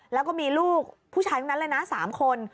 แล้วก็มีลูกผู้ชายนั้นเลยนะสามคน